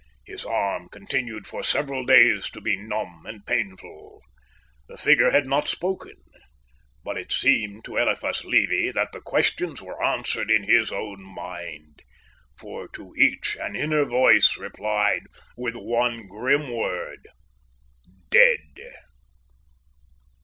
His arm continued for several days to be numb and painful. The figure had not spoken, but it seemed to Eliphas Levi that the questions were answered in his own mind. For to each an inner voice replied with one grim word: dead."